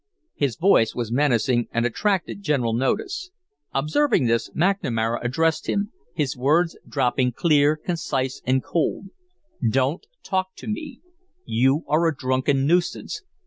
His voice was menacing and attracted general notice. Observing this, McNamara addressed him, his words dropping clear, concise, and cold: "Don't talk to me. You are a drunken nuisance.